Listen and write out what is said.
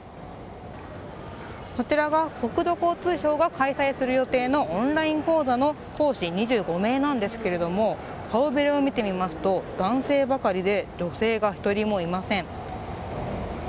こちらが国土交通省が開催する予定のオンライン講座の講師２５名なんですけども顔ぶれを見てみますと男性ばかりで女性が１人もいません。